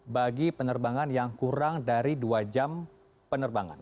bagi penerbangan yang kurang dari dua jam penerbangan